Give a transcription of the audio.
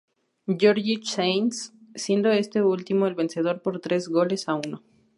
George Saints, siendo este último el vencedor por tres goles a uno.